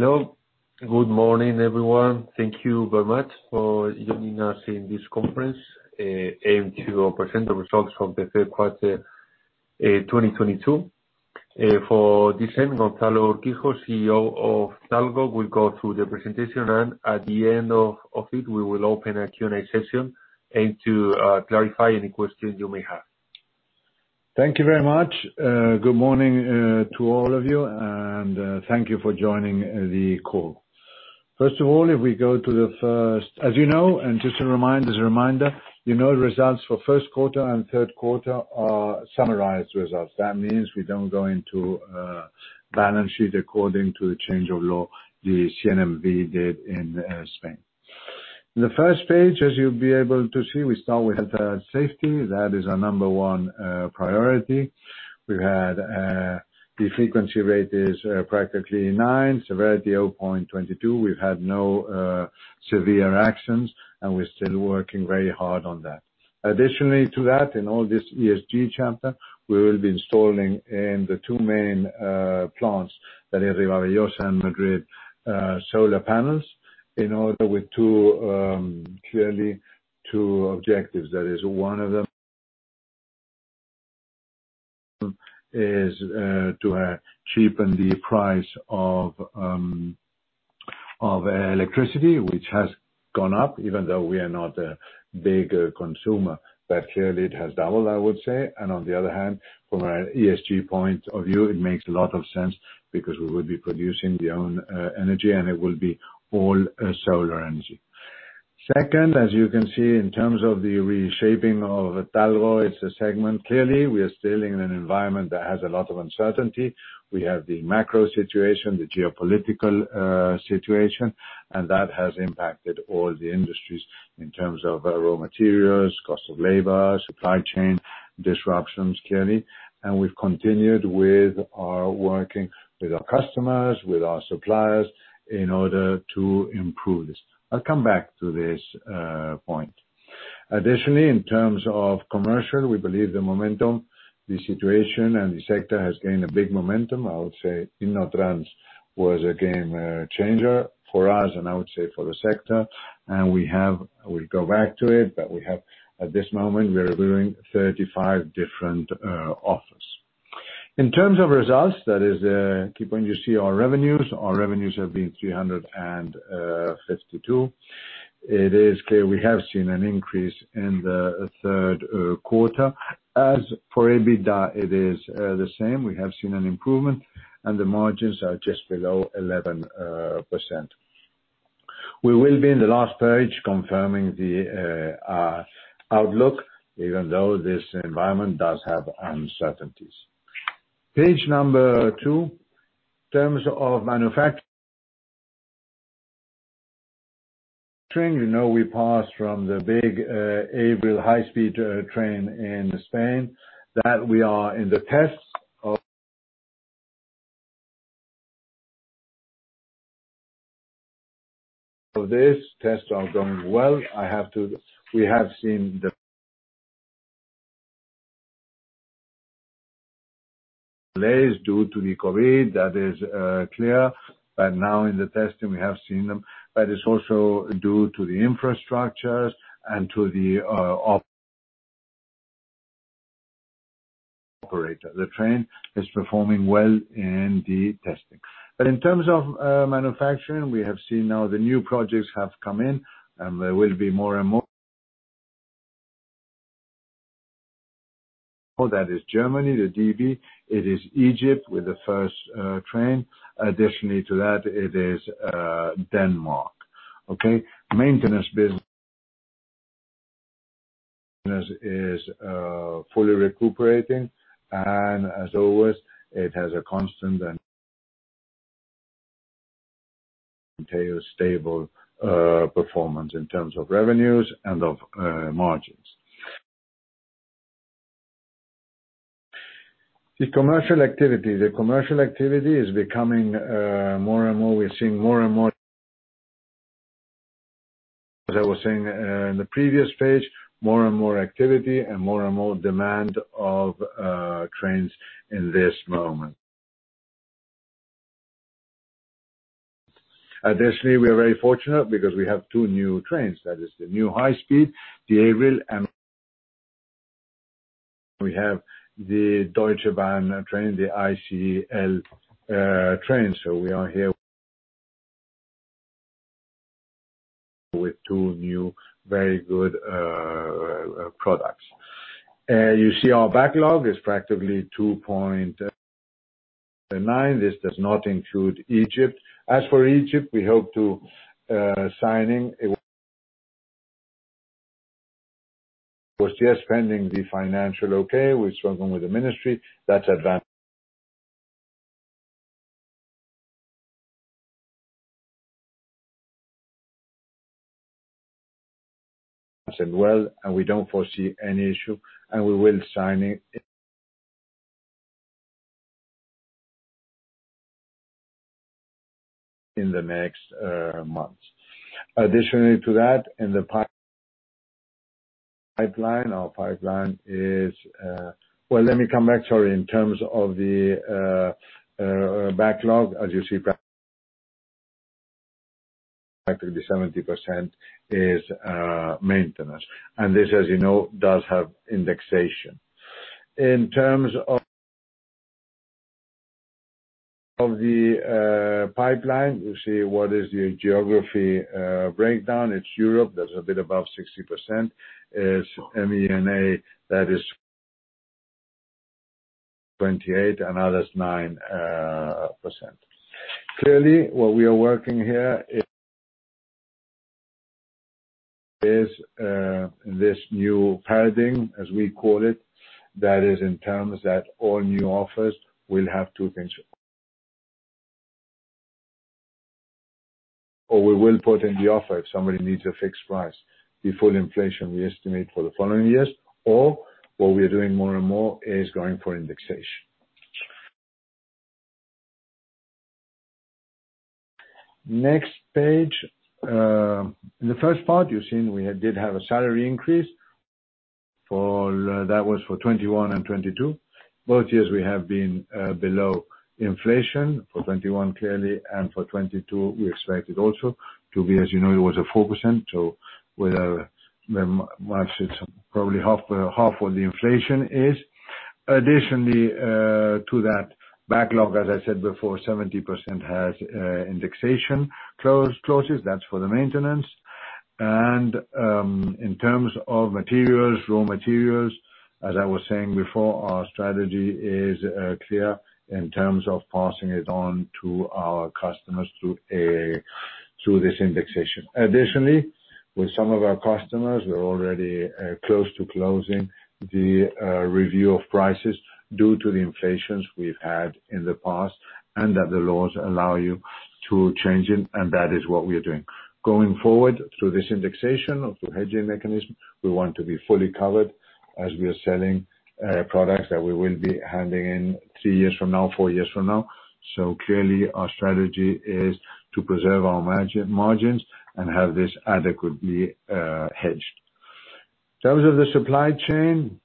Hello. Good morning, everyone. Thank you very much for joining us in this conference aimed to present the results from the third quarter 2022. To this end, Gonzalo Urquijo, CEO of Talgo, will go through the presentation and at the end of it, we will open a Q&A session and to clarify any questions you may have. Thank you very much. Good morning to all of you, and thank you for joining the call. As you know, as a reminder, you know results for first quarter and third quarter are summarized results. That means we don't go into balance sheet according to the change of law the CNMV did in Spain. The first page, as you'll be able to see, we start with safety. That is our number one priority. We had the frequency rate is practically 9, severity 0.22. We've had no severe actions, and we're still working very hard on that. Additionally to that, in all this ESG chapter, we will be installing in the 2 main plants, that is Rivabellosa and Madrid, solar panels in order with 2, clearly 2 objectives. That is, one of them is to cheapen the price of of electricity, which has gone up, even though we are not a big consumer, but clearly it has doubled, I would say. On the other hand, from an ESG point of view, it makes a lot of sense because we will be producing our own energy, and it will be all solar energy. Second, as you can see, in terms of the reshaping of Talgo, it's a segment. Clearly, we are still in an environment that has a lot of uncertainty. We have the macro situation, the geopolitical situation, and that has impacted all the industries in terms of raw materials, cost of labor, supply chain disruptions, clearly. We've continued working with our customers, with our suppliers in order to improve this. I'll come back to this point. Additionally, in terms of commercial, we believe the momentum, the situation and the sector has gained a big momentum. I would say InnoTrans was, again, a game changer for us and I would say for the sector. We have. I will go back to it, but we have at this moment, we are reviewing 35 different offers. In terms of results, that is key point, you see our revenues. Our revenues have been 352. It is clear we have seen an increase in the third quarter. As for EBITDA, it is the same. We have seen an improvement and the margins are just below 11%. We will be in the last page confirming our outlook, even though this environment does have uncertainties. Page number 2. In terms of manufacturing, you know we passed from the big Avril high-speed train in Spain, that we are in the tests of this. Tests are going well. We have seen the delays due to the COVID, that is clear. Now in the testing we have seen them. It's also due to the infrastructures and to the operator. The train is performing well in the testing. In terms of manufacturing, we have seen now the new projects have come in, and there will be more and more. That is Germany, the DB, it is Egypt with the first train. Additionally to that, it is Denmark. Okay? Maintenance business is fully recuperating, and as always, it has a constant and stable performance in terms of revenues and of margins. The commercial activity is becoming more and more, we're seeing more and more. As I was saying in the previous page, more and more activity and more and more demand of trains in this moment. Additionally, we are very fortunate because we have two new trains. That is the new high speed, the Avril, and we have the Deutsche Bahn train, the ICE L train. So we are here with two new very good products. You see our backlog is practically 2.9. This does not include Egypt. As for Egypt, we hope to sign. It was just pending the financial okay. We're struggling with the ministry. That's advancing well, and we don't foresee any issue, and we will sign it in the next months. Additionally to that, in the pipeline. Our pipeline is. Well, let me come back. Sorry. In terms of the backlog, as you see, actually the 70% is maintenance. This, as you know, does have indexation. In terms of the pipeline, you see what is the geography breakdown. It's Europe that's a bit above 60%, is MENA that is 28%, and others 9%. Clearly, what we are working here is this new paradigm, as we call it. That is in terms that all new offers will have two things. We will put in the offer if somebody needs a fixed price. The full inflation we estimate for the following years, or what we are doing more and more is going for indexation. Next page. In the first part, you're seeing we did have a salary increase for that was for 2021 and 2022. Both years we have been below inflation. For 2021 clearly, and for 2022, we expect it also to be, as you know, it was a 4%. So whether the margins are probably half what the inflation is. Additionally, to that backlog, as I said before, 70% has indexation clauses. That's for the maintenance. In terms of materials, raw materials, as I was saying before, our strategy is clear in terms of passing it on to our customers through this indexation. Additionally, with some of our customers, we're already close to closing the review of prices due to the inflations we've had in the past and that the laws allow you to change it, and that is what we are doing. Going forward, through this indexation of the hedging mechanism, we want to be fully covered as we are selling products that we will be handing in three years from now, four years from now. Clearly, our strategy is to preserve our margin, margins and have this adequately hedged. In terms of the supply chain,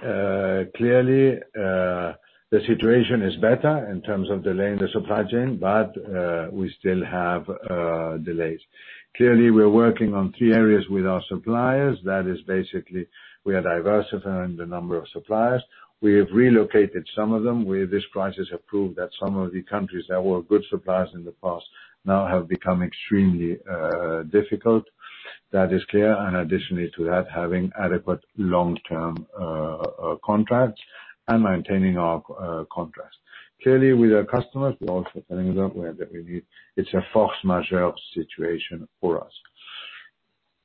clearly the situation is better in terms of delaying the supply chain, but we still have delays. Clearly, we're working on three areas with our suppliers. That is basically we are diversifying the number of suppliers. We have relocated some of them. With this crisis have proved that some of the countries that were good suppliers in the past now have become extremely difficult. That is clear, and additionally to that, having adequate long-term contracts and maintaining our contracts. Clearly, with our customers, we're also telling them that we need. It's a force majeure situation for us.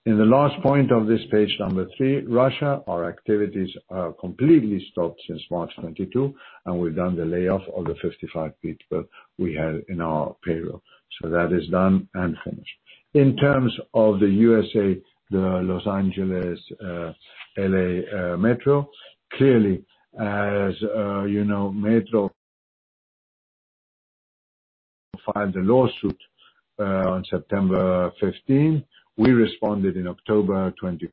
In the last point of this page number three, Russia, our activities are completely stopped since March 2022, and we've done the layoff of the 55 people we had in our payroll. That is done and finished. In terms of the USA, the Los Angeles LA Metro. Clearly, as you know, Metro filed a lawsuit on September 15. We responded in October 21st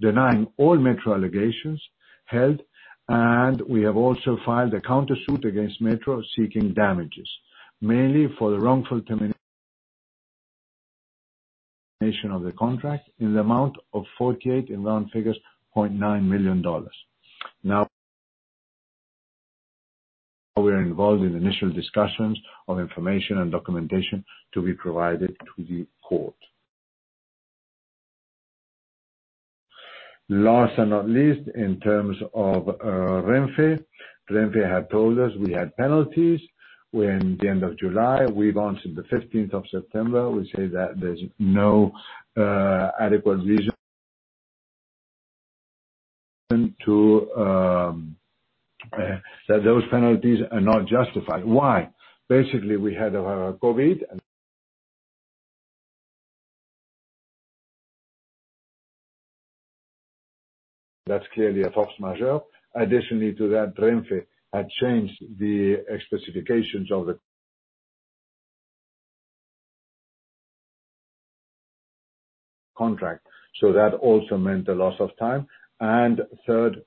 denying all Metro allegations held. We have also filed a countersuit against Metro seeking damages, mainly for the wrongful termination of the contract in the amount of $48.9 million. Now, we are involved in initial discussions of information and documentation to be provided to the court. Last and not least, in terms of Renfe. Renfe had told us we had penalties at the end of July. We launched on the 15th of September. We say that there's no adequate reason. That those penalties are not justified. Why? Basically, we had COVID. That's clearly a force majeure. Additionally to that, Renfe had changed the specifications of the contract. So that also meant a loss of time. Third,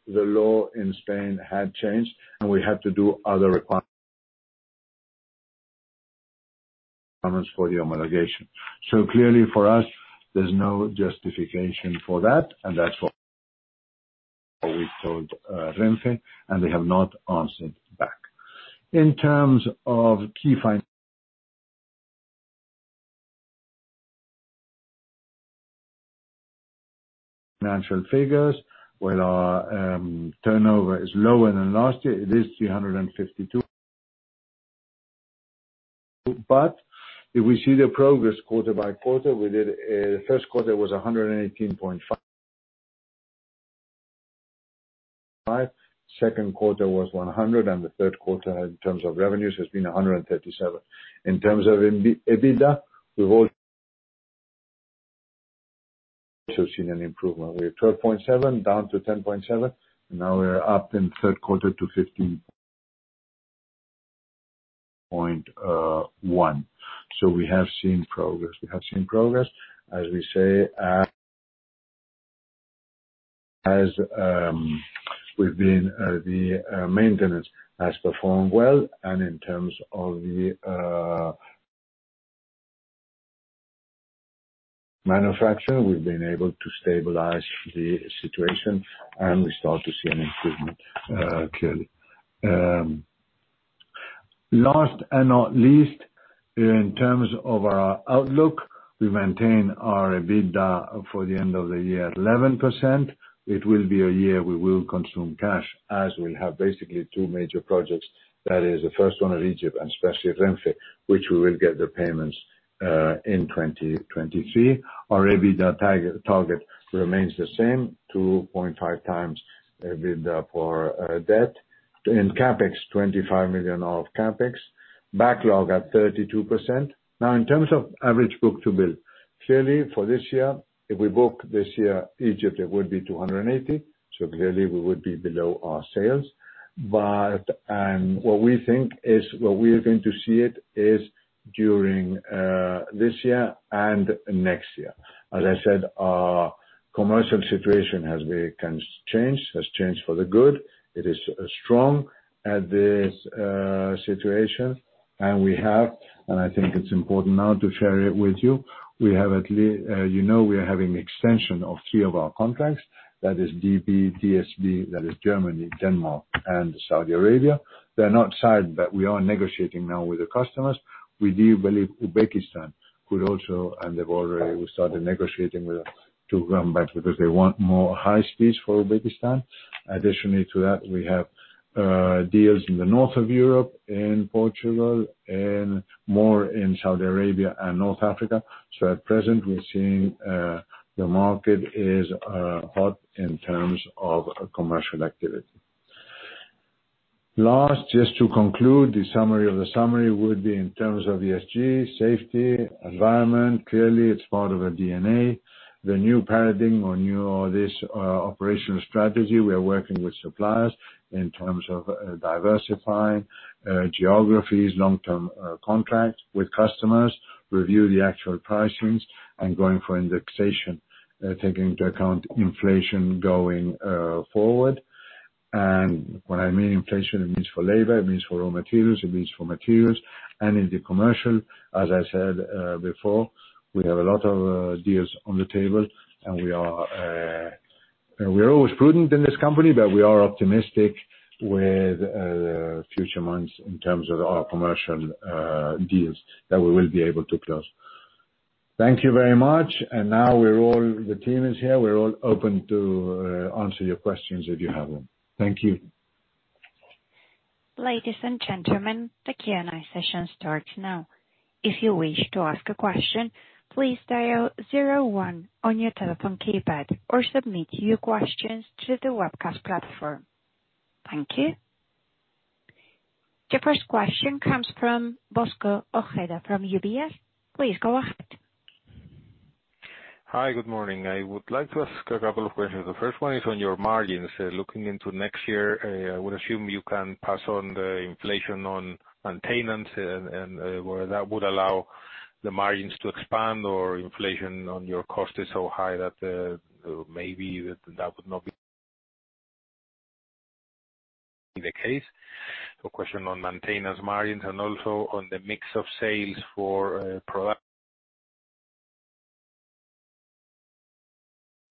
the law in Spain had changed, and we had to do other requirements for the homologation. Clearly for us, there's no justification for that, and that's what we told Renfe, and they have not answered back. In terms of key financial figures. Well, our turnover is lower than last year. It is 352 million. But if we see the progress quarter by quarter, the first quarter was 118.5 million. Second quarter was 100 million, and the third quarter in terms of revenues has been 137 million. In terms of EBITDA, we've also seen an improvement. We're 12.7% down to 10.7%. Now we're up in the third quarter to 15.1%. We have seen progress, as we say, the maintenance has performed well. In terms of the manufacturing, we've been able to stabilize the situation, and we start to see an improvement clearly. Last and not least, in terms of our outlook, we maintain our EBITDA for the end of the year 11%. It will be a year we will consume cash as we have basically two major projects. That is the first one in Egypt and especially Renfe, which we will get the payments in 2023. Our EBITDA target remains the same, 2.5 times EBITDA for debt. In CapEx, 25 million of CapEx. Backlog at 32%. Now in terms of average book-to-bill, clearly for this year, if we book this year Egypt, it would be 2.8, so clearly we would be below our sales. What we think is where we are going to see it is during this year and next year. As I said, our commercial situation has changed for the good. It is strong at this situation. I think it's important now to share it with you. You know we are having extension of three of our contracts. That is DB, DSB, that is Germany, Denmark, and Saudi Arabia. They're not signed, but we are negotiating now with the customers. We do believe Uzbekistan could also, and we started negotiating with them to run back because they want more high speeds for Uzbekistan. Additionally to that, we have deals in the north of Europe and Portugal and more in Saudi Arabia and North Africa. At present, we're seeing the market is hot in terms of commercial activity. Last, just to conclude, the summary of the summary would be in terms of ESG, safety, environment. Clearly, it's part of our DNA. The new paradigm or this operational strategy, we are working with suppliers in terms of diversifying geographies, long-term contracts with customers, review the actual pricings and going for indexation, taking into account inflation going forward. When I mean inflation, it means for labor, it means for raw materials, it means for materials. In the commercial, as I said before, we have a lot of deals on the table, and we are always prudent in this company, but we are optimistic with the future months in terms of our commercial deals that we will be able to close. Thank you very much. Now the team is here. We're all open to answer your questions if you have them. Thank you. Ladies and gentlemen, the Q&A session starts now. If you wish to ask a question, please dial zero one on your telephone keypad or submit your questions through the webcast platform. Thank you. Your first question comes from Bosco Ojeda from UBS. Please go ahead. Hi, good morning. I would like to ask a couple of questions. The first one is on your margins. Looking into next year, I would assume you can pass on the inflation on maintenance and, well, that would allow the margins to expand or inflation on your cost is so high that, maybe that would not be the case. Question on maintenance margins and also on the mix of sales for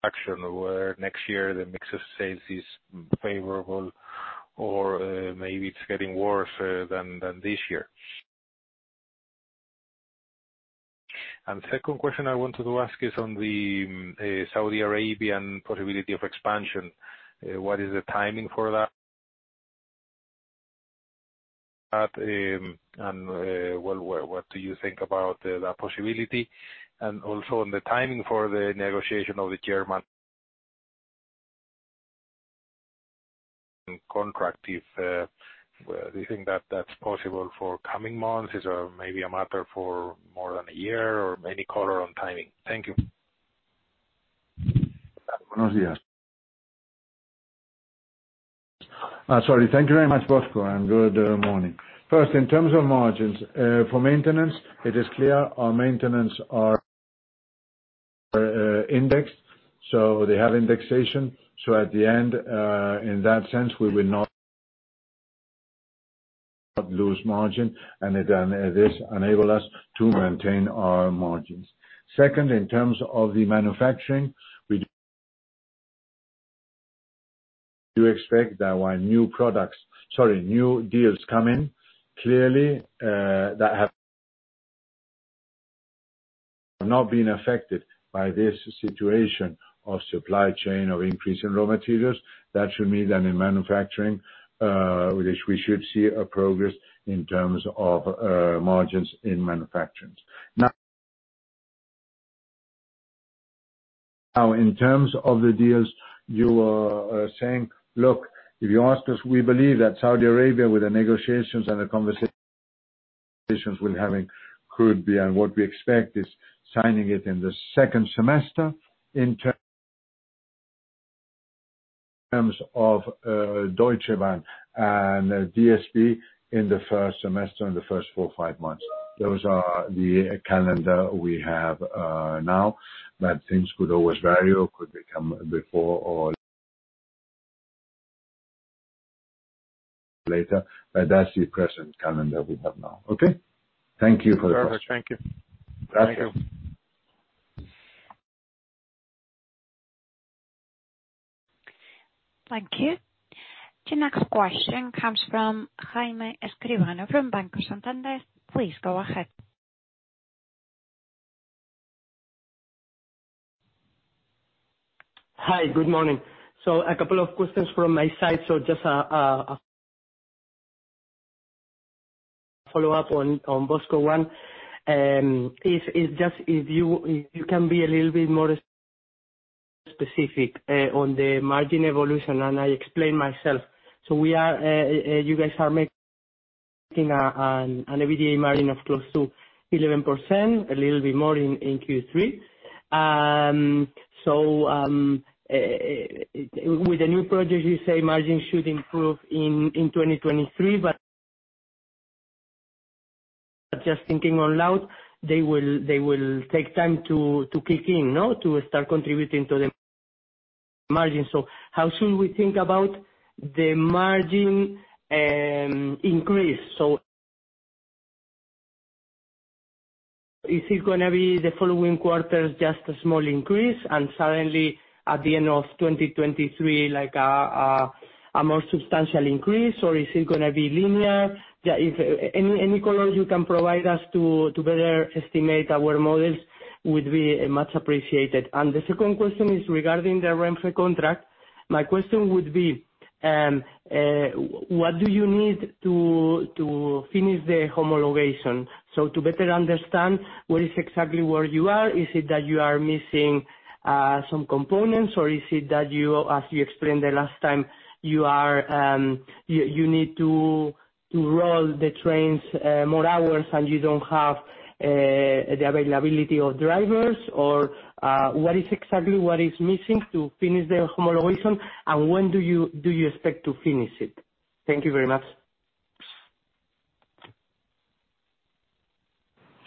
production, where next year the mix of sales is favorable or maybe it's getting worse than this year. Second question I wanted to ask is on the Saudi Arabian possibility of expansion. What is the timing for that? Well, what do you think about that possibility? Also on the timing for the negotiation of the German contract, do you think that that's possible for coming months? Is there maybe a matter for more than a year or any color on timing? Thank you. Buenos dias. Sorry. Thank you very much, Bosco, and good morning. First, in terms of margins, for maintenance, it is clear our maintenance are indexed, so they have indexation. At the end, in that sense, we will not lose margin, and it, this enable us to maintain our margins. Second, in terms of the manufacturing, we do expect that when new deals come in, clearly, that have not been affected by this situation of supply chain or increase in raw materials, that should mean that in manufacturing, which we should see a progress in terms of, margins in manufacturing. Now in terms of the deals, you are saying, look, if you ask us, we believe that Saudi Arabia with the negotiations and the conversations we're having could be, and what we expect, is signing it in the second semester in terms of Deutsche Bahn and DSB in the first semester, in the first four or five months. Those are the calendar we have now. But things could always vary or could become before or later, but that's the present calendar we have now. Okay. Thank you for the question. Perfect. Thank you. Gracias. Thank you. Thank you. The next question comes from Jaime Escrivá, from Banco Santander. Please go ahead. Hi, good morning. A couple of questions from my side. Just a follow-up on Bosco, one. If you can be a little bit more specific on the margin evolution, and I explain myself. You guys are making an EBITDA margin of close to 11%, a little bit more in Q3. With the new projects, you say margins should improve in 2023, but just thinking out loud, they will take time to kick in, no? To start contributing to the margin. How soon we think about the margin increase? Is it gonna be the following quarters just a small increase and suddenly at the end of 2023, like a more substantial increase? Is it gonna be linear? Yeah, if any colors you can provide us to better estimate our models would be much appreciated. The second question is regarding the Renfe contract. My question would be, what do you need to finish the homologation? To better understand where exactly you are. Is it that you are missing some components, or is it that you, as you explained the last time, you need to roll the trains more hours and you don't have the availability of drivers, or what exactly is missing to finish the homologation and when do you expect to finish it? Thank you very much.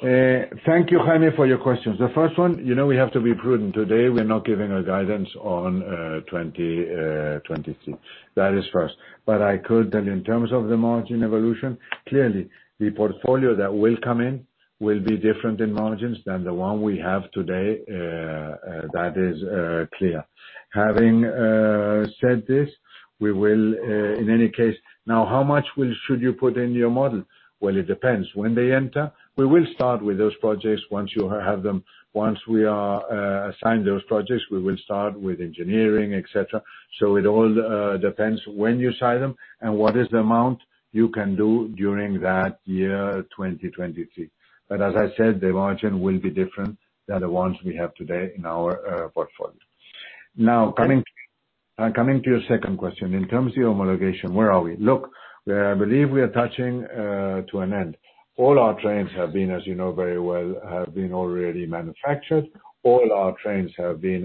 Thank you, Jaime Escrivá, for your questions. The first one, you know we have to be prudent today. We're not giving a guidance on 2022. That is first. I could tell you in terms of the margin evolution, clearly the portfolio that will come in will be different in margins than the one we have today. That is clear. Having said this, we will in any case. Now, how much should you put in your model? Well, it depends. When they enter, we will start with those projects once you have them. Once we are assigned those projects, we will start with engineering, et cetera. It all depends when you sign them and what is the amount you can do during that year 2023. As I said, the margin will be different than the ones we have today in our portfolio. Now, coming to your second question, in terms of homologation, where are we? Look, I believe we are touching to an end. All our trains have been, as you know very well, already manufactured. All our trains have been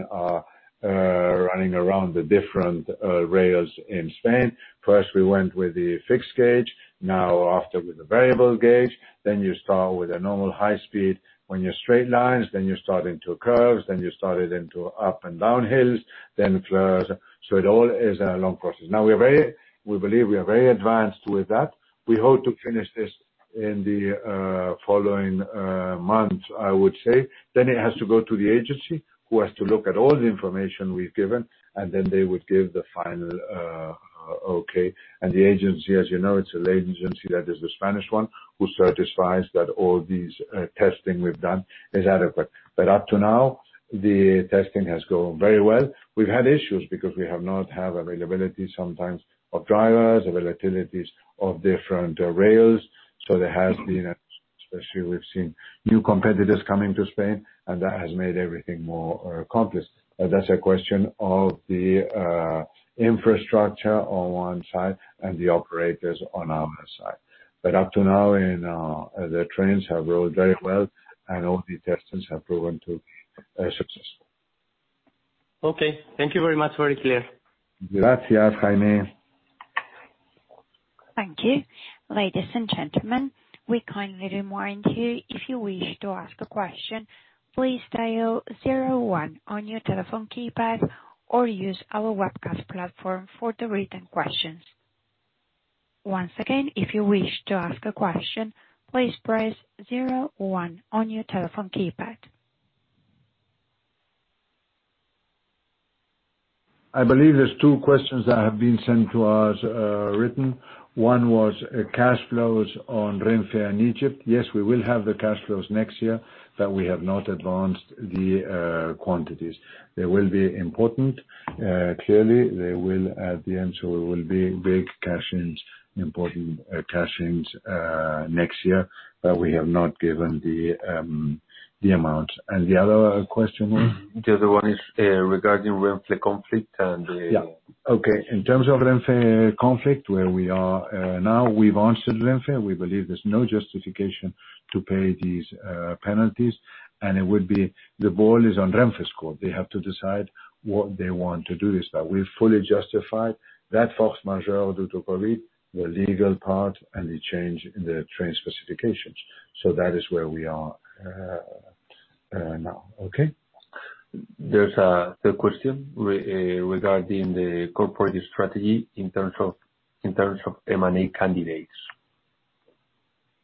running around the different rails in Spain. First, we went with the fixed gauge, now after with the variable gauge. Then you start with a normal high speed. When you're straight lines, then you start into curves, then you start it into up and down hills, then curves. It all is a long process. Now we believe we are very advanced with that. We hope to finish this in the following months, I would say. It has to go to the agency, who has to look at all the information we've given, and then they would give the final okay. The agency, as you know, it's a state agency that is the Spanish one, who certifies that all these testing we've done is adequate. Up to now, the testing has gone very well. We've had issues because we have not have availability sometimes of drivers, availabilities of different rails. There has been, especially, we've seen new competitors coming to Spain, and that has made everything more complex. That's a question of the infrastructure on one side and the operators on another side. Up to now, and the trains have rolled very well and all the tests have proven to be successful. Okay. Thank you very much. Very clear. Gracias, Jaime. Thank you. Ladies and gentlemen, we kindly remind you if you wish to ask a question, please dial zero one on your telephone keypad or use our webcast platform for the written questions. Once again, if you wish to ask a question, please press zero one on your telephone keypad. I believe there's two questions that have been sent to us, written. One was, cash flows on Renfe in Egypt. Yes, we will have the cash flows next year, but we have not advanced the, quantities. They will be important. Clearly, they will at the end, so it will be big cash ins, important cash ins, next year, but we have not given the amount. The other question was? The other one is, regarding Renfe conflict and the- Yeah. Okay. In terms of Renfe conflict, where we are now, we've answered Renfe. We believe there's no justification to pay these penalties, and the ball is in Renfe's court. They have to decide what they want to do this time. We're fully justified that force majeure due to COVID, the legal part, and the change in the train specifications. That is where we are now. Okay? There's a question regarding the corporate strategy in terms of M&A candidates.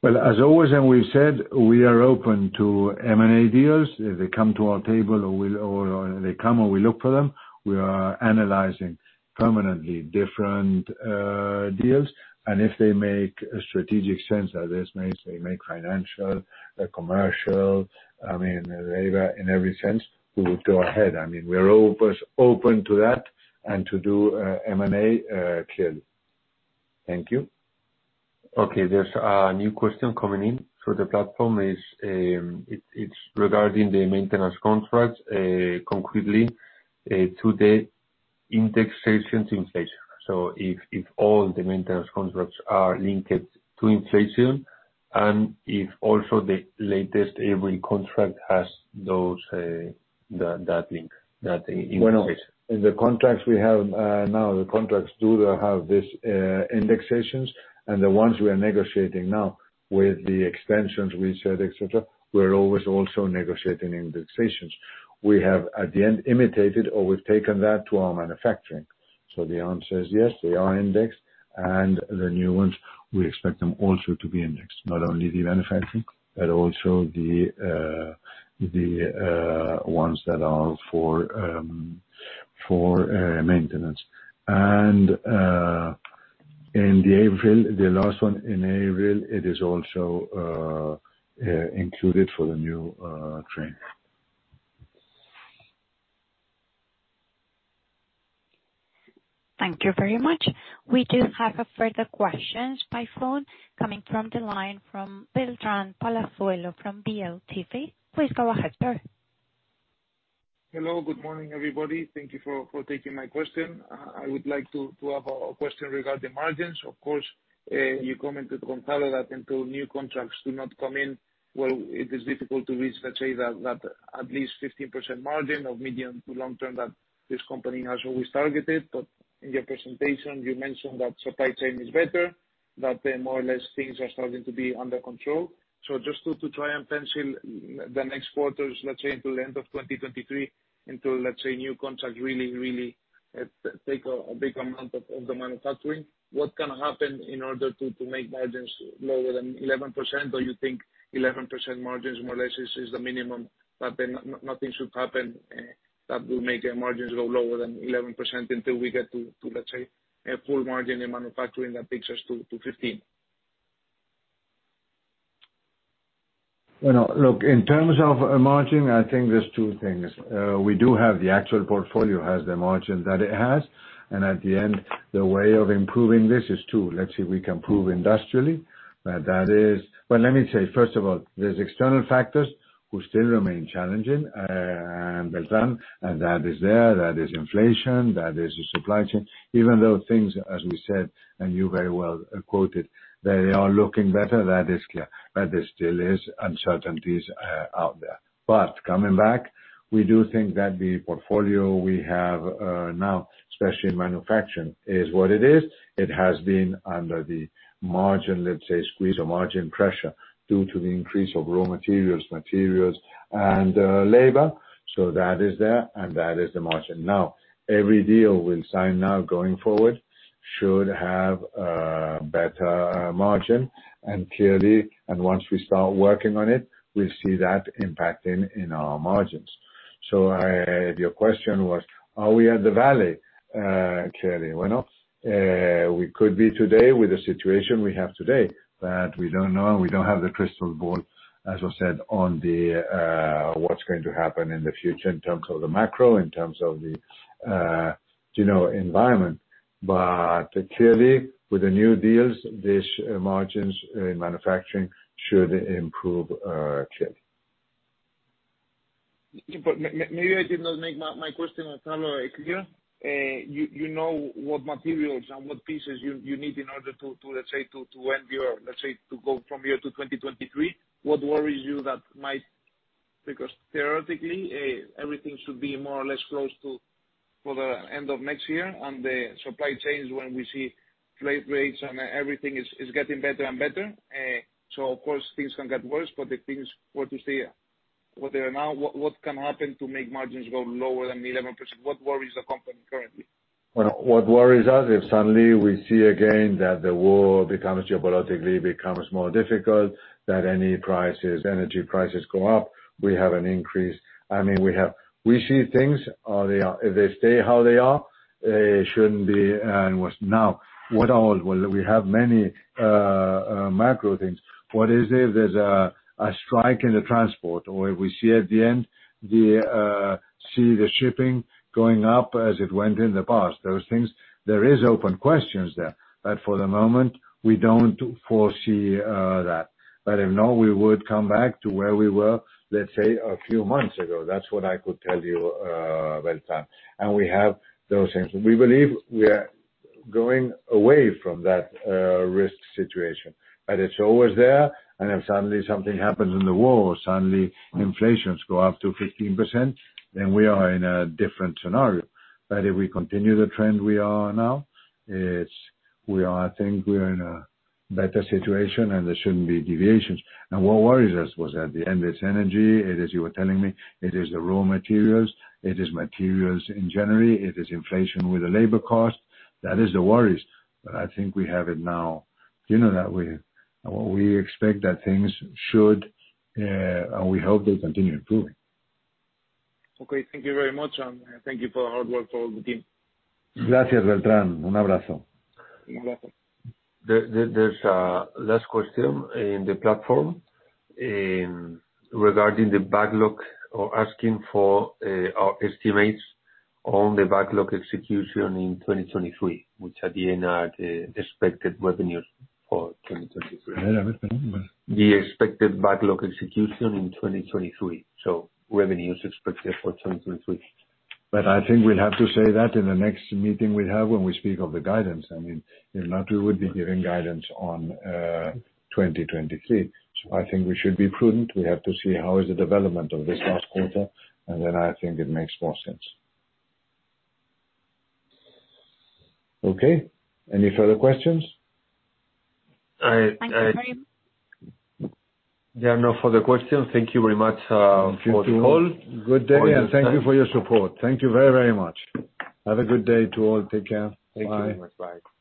Well, as always, and we've said, we are open to M&A deals. If they come to our table or they come or we look for them, we are analyzing permanently different deals. If they make strategic sense, that is they make financial, commercial, I mean, labor, in every sense, we will go ahead. I mean, we're always open to that and to do M&A clearly. Thank you. Okay, there's a new question coming in through the platform. It's regarding the maintenance contracts, concretely, to the indexation to inflation. If all the maintenance contracts are linked to inflation, and if also the latest every contract has those, that link, that indexation. Well, in the contracts we have now, the contracts do have this indexations. The ones we are negotiating now with the extensions we said, et cetera, we're always also negotiating indexations. We have at the end implemented or we've taken that to our manufacturing. The answer is yes, they are indexed. The new ones, we expect them also to be indexed, not only the manufacturing, but also the ones that are for maintenance. In the Avril, the last one in Avril, it is also included for the new train. Thank you very much. We do have a further questions by phone coming from the line from Beltrán Palazuelo from DLTV. Please go ahead, sir. Hello. Good morning, everybody. Thank you for taking my question. I would like to have a question regarding margins. Of course, you commented, Gonzalo, that until new contracts do not come in, well, it is difficult to reach, let's say that at least 15% margin of medium to long term that this company has always targeted. In your presentation, you mentioned that supply chain is better, that more or less things are starting to be under control. Just to try and pencil the next quarters, let's say until end of 2023, until let's say new contracts really take a big amount of the manufacturing. What can happen in order to make margins lower than 11%? You think 11% margins more or less is the minimum, but then nothing should happen that will make your margins go lower than 11% until we get to, let's say, a full margin in manufacturing that takes us to 15. Well, look, in terms of margin, I think there's two things. We do have the actual portfolio, has the margin that it has, and at the end, the way of improving this is to, let's say, we can prove industrially that is. Well, let me say, first of all, there's external factors who still remain challenging, Beltrán, and that is there. That is inflation, that is the supply chain. Even though things, as we said, and you very well quoted, they are looking better, that is clear, but there still is uncertainties out there. Coming back, we do think that the portfolio we have now, especially in manufacturing, is what it is. It has been under the margin, let's say, squeeze or margin pressure due to the increase of raw materials and labor. That is there, and that is the margin. Now, every deal we'll sign now going forward should have a better margin. Clearly, once we start working on it, we'll see that impacting in our margins. Your question was, are we at the valley? Clearly, well, we could be today with the situation we have today, but we don't know. We don't have the crystal ball, as I said, on what's going to happen in the future in terms of the macro, in terms of the you know, environment. Clearly, with the new deals, these margins in manufacturing should improve, clearly. Maybe I did not make my question, Gonzalo, clear. You know what materials and what pieces you need in order to, let's say, to end your... Let's say, to go from here to 2023, what worries you that might... Because theoretically, everything should be more or less close to for the end of next year and the supply chains, when we see flat rates and everything is getting better and better. So of course, things can get worse, but the things, what you say, what they are now, what can happen to make margins go lower than 11%? What worries the company currently? Well, what worries us if suddenly we see again that the war becomes geopolitically more difficult, that energy prices go up, we have an increase. I mean, we see things. They are if they stay how they are, shouldn't be an issue now. We have many macro things. What is it? There's a strike in the transport or if we see at the end the shipping going up as it went in the past. Those things, there is open questions there. For the moment, we don't foresee that. If so, we would come back to where we were, let's say a few months ago. That's what I could tell you, Beltrán. We have those things. We believe we are going away from that risk situation. It's always there. If suddenly something happens in the war, suddenly inflation goes up to 15%, then we are in a different scenario. If we continue the trend we are now, we are, I think, in a better situation and there shouldn't be deviations. Now what worries us was at the end, it's energy. It is, you were telling me, it is the raw materials, it is materials in general, it is inflation with the labor cost. That is the worries. I think we have it now, you know, that we expect that things should and we hope they continue improving. Okay. Thank you very much. Thank you for the hard work for all the team. Gracias, Beltrán. Un abrazo. Un abrazo. There's a last question in the platform regarding the backlog or asking for estimates on the backlog execution in 2023, which at the end are the expected revenues for 2023. The expected backlog execution in 2023, so revenues expected for 2023. I think we'll have to say that in the next meeting we have when we speak of the guidance. I mean, if not, we would be giving guidance on 2023. I think we should be prudent. We have to see how is the development of this last quarter, and then I think it makes more sense. Okay. Any further questions? Uh, uh. Thank you very much. There are no further questions. Thank you very much, for the call. Good day, and thank you for your support. Thank you very, very much. Have a good day to all. Take care. Bye. Thank you very much. Bye.